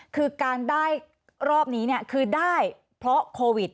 คือการได้รอบนี้คือได้เพราะโควิด